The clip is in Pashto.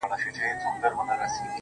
سترگي چي پټي كړي باڼه يې سره ورسي داسـي.